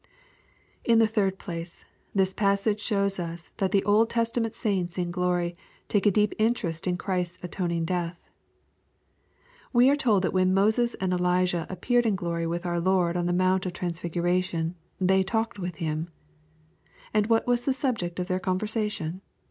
In the third place, this passage shows us that the Old Testament saints in glory take a deep interest in Christ^ a atoning death. We are told that when Moses and Elijah appeared in glory with our Lord on the Mount of Trans figuration, they ^ 1 talked with Him." And what was the subject of their conversation